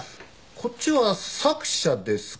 こっちは作者ですかね。